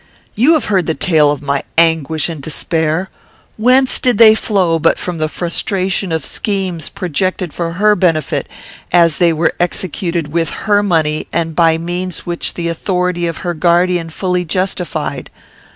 "You have heard the tale of my anguish and despair. Whence did they flow but from the frustration of schemes projected for her benefit, as they were executed with her money and by means which the authority of her guardian fully justified?